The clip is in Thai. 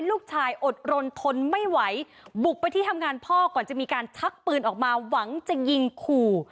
อดรนทนไม่ไหวบุกไปที่ทำงานพ่อก่อนจะมีการชักปืนออกมาหวังจะยิงขู่